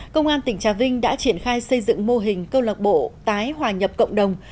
công an tỉnh trà vinh đã triển khai xây dựng mô hình câu lạc bộ tái hòa nhập cộng đồng